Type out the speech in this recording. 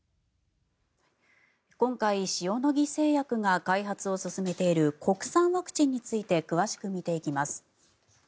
今回、塩野義製薬が開発を進めている国産ワクチンについて詳しく見ていきます。